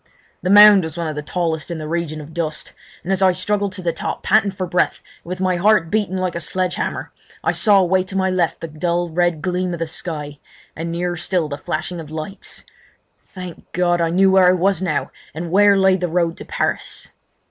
The mound was one of the tallest in the region of dust, and as I struggled to the top, panting for breath and with my heart beating like a sledge hammer, I saw away to my left the dull red gleam of the sky, and nearer still the flashing of lights. Thank God! I knew where I was now and where lay the road to Paris!